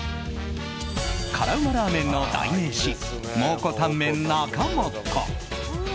辛うまラーメンの代名詞蒙古タンメン中本。